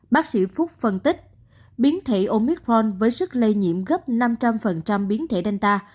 bác sĩ phúc phân tích biến thể omicron với sức lây nhiễm gấp năm trăm linh biến thể danta